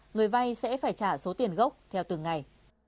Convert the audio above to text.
người vay sẽ phải trả số tiền gốc theo từng ngày